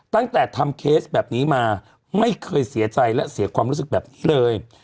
ตั้งแต่ทำเคสแบบนี้มาไม่เคยเสียใจและเสียความรู้สึกแบบนี้เลย